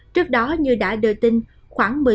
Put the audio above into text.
trước đó như đã đưa tin khoảng một mươi giờ